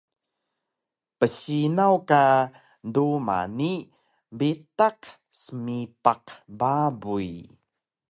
psinaw ka duma ni bitaq smipaq babuy